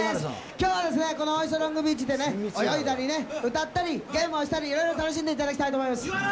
きょうはですね、この大磯ロングビーチで、泳いだりね、歌ったり、ゲームをしたり、いろいろ楽しんでいただきたいと思います。